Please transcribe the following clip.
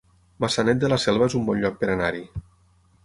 Maçanet de la Selva es un bon lloc per anar-hi